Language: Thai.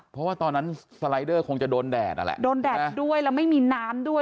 เพราะว่าตอนนั้นสไลเดอร์คงจะโดนแดดนั่นแหละโดนแดดมาด้วยแล้วไม่มีน้ำด้วย